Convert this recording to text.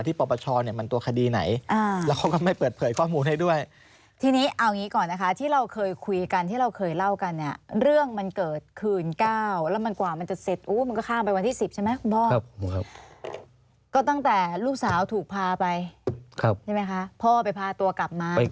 อ่าพ่ออยากย้อนอีกสักรอบไหมเดี๋ยวคนลืมหรือยังไงก็ไม่สักแล้วแต่อ่า